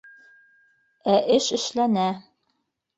Ә эш эшләнә